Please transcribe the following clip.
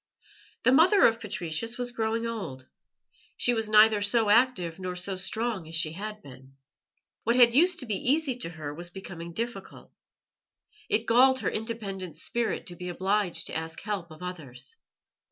The mother of Patricius was growing old; she was neither so active nor so strong as she had been. What had used to be easy to her was becoming difficult. It galled her independent spirit to be obliged to ask help of others.